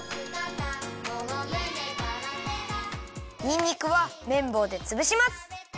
にんにくはめんぼうでつぶします。